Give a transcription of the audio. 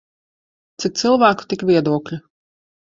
Cik cilvēku tik viedokļu.